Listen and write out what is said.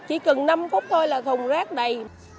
chỉ cần năm phút thôi là thùng rác đầy